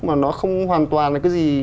mà nó không hoàn toàn là cái gì